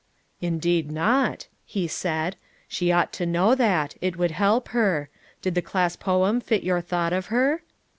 " Indeed not!" he said. "She ought to know that; it would help her. Did the class poem fit your thought of her?"